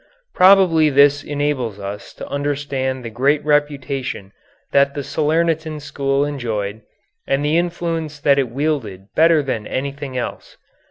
Probably this enables us to understand the great reputation that the Salernitan school enjoyed and the influence that it wielded better than anything else.